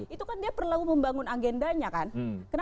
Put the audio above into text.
itu kan dia perlu membangun agendanya kan kenapa perlu membangun agenda